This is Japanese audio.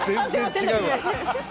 全然違うわ。